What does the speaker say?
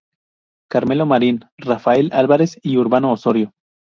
Carmelo Marín, Rafael Álvarez y Urbano Osorio.